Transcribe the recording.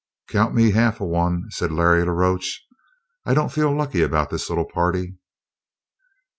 "Count me half of one," said Larry la Roche. "I don't feel lucky about this little party."